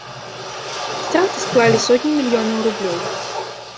Страты склалі сотні мільёнаў рублёў.